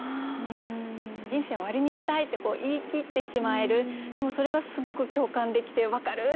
「人生を終わりにしたい」って言い切ってしまえるでもそれがすごく共感できてわかる！って思いましたね。